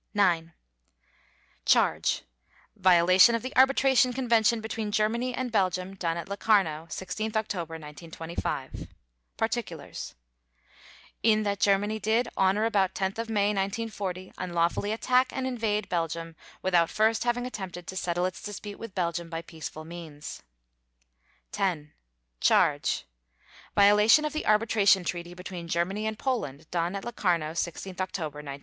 IX CHARGE: Violation of the Arbitration Convention between Germany and Belgium, done at Locarno, 16 October 1925. PARTICULARS: In that Germany did, on or about 10 May 1940, unlawfully attack and invade Belgium without first having attempted to settle its dispute with Belgium by peaceful means. X CHARGE: _Violation of the Arbitration Treaty between Germany and Poland, done at Locarno, 16 October 1925.